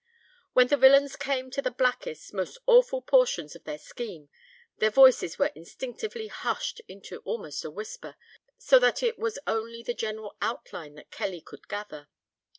When the villains came to the blackest, most awful, portions of their scheme, their voices were instinctively hushed into almost a whisper; so that it was only the general outline that Kelly could gather.